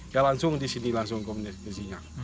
ya langsung di sini langsung komunikasinya